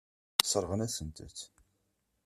Sseṛɣen-asent-tt.